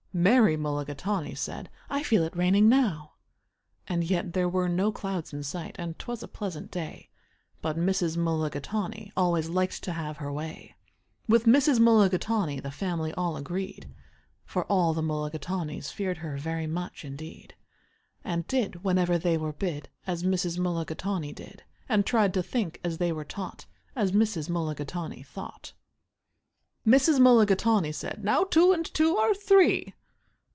Mary Mulligatawny said, "I feel it raining now." And yet there were no clouds in sight, and 'twas a pleasant day, But Mrs. Mulligatawny always liked to have her way. With Mrs. Mulligatawny the family all agreed, For all the Mulligatawnys feared her very much indeed, And did, whenever they were bid, As Mrs. Mulligatawny did, And tried to think, as they were taught, As Mrs. Mulligatawny thought. Mrs. Mulligatawny said, "Now two and two are three."